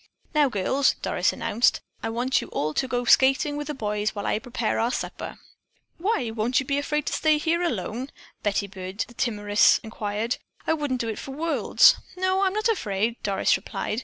"Now, girls," Doris announced, "I want you all to go skating with the boys while I prepare our supper." "Why, won't you be afraid to stay here alone?" Betty Byrd, the timorous, inquired. "I wouldn't do it for worlds." "No, I'm not afraid," Doris replied.